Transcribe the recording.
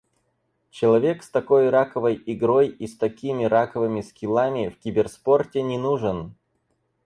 Человек с такой раковой игрой и с такими раковыми скиллами в киберспорте не нужен.